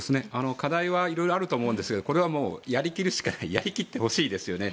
課題は色々あると思うんですがこれはやり切るしかないやり切ってほしいですよね。